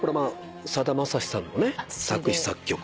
さだまさしさんの作詞作曲。